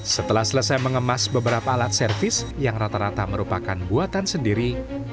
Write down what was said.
setelah selesai mengemas beberapa alat servis yang rata rata merupakan buatan sendiri